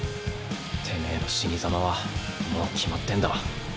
てめぇの死に様はもう決まってんだ。